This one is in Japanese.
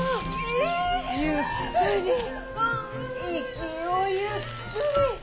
息をゆっくり。